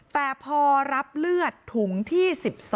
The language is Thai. แต่พอรับเลือดถุงที่๑๒